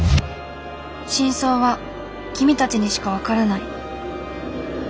「真相は君たちにしかわからない」。